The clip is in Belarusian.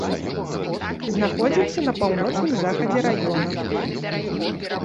Знаходзіўся на паўночным захадзе раёна.